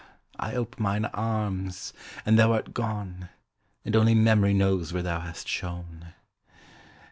I ope mine arms, and thou art gone, And only Memory knows where thou hast shone.